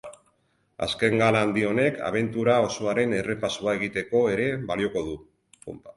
Azken gala handi honek abentura osoaren errepasoa egiteko ere balioko du.